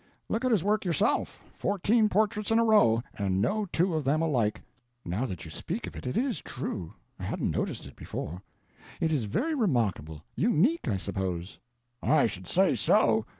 "Look at his work yourself! Fourteen portraits in a row. And no two of them alike." "Now that you speak of it, it is true; I hadn't noticed it before. It is very remarkable. Unique, I suppose." "I should say so.